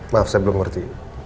maaf saya belum ngerti